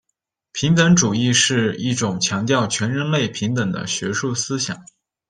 平等主义是一种强调全人类平等的学术思想。